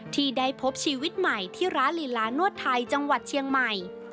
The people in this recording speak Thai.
ที่ได้พบชีวิตใหม่ที่ร้านลีลานวดไทยจังหวัดเชียงใหม่